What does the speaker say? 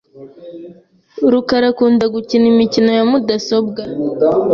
rukara akunda gukina imikino ya mudasobwa .